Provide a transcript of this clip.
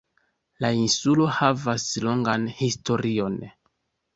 La insulo havas longan historion.